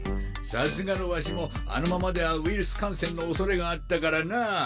さすがのワシもあのままではウイルス感染の恐れがあったからなぁ。